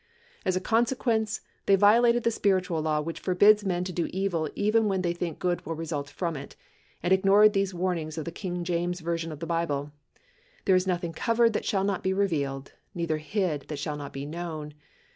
As a consequence, they violated the spiritual law which forbids men to do evil even when they think good will result from it, and ignored these warnings of the King James version of the Bible : There is nothing covered, that shall not be revealed; neither hid, that shall not be known.